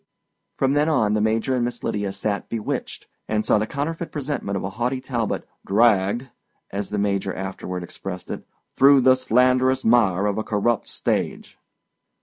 From then on, the Major and Miss Lydia sat bewitched, and saw the counterfeit presentment of a haughty Talbot "dragged," as the Major afterward expressed it, "through the slanderous mire of a corrupt stage."